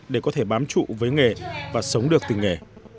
để có thể bám trụ với nghề và sống được từng nghề